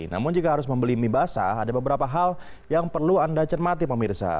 namun jika harus membeli mie basah ada beberapa hal yang perlu anda cermati pemirsa